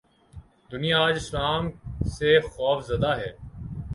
: دنیا آج اسلام سے خوف زدہ ہے۔